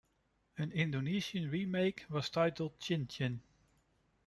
An Indonesian remake was titled "Cincin".